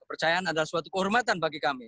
kepercayaan adalah suatu kehormatan bagi kami